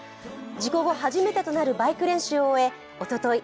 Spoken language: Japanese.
事故後初めてとなるバイク練習を終えおととい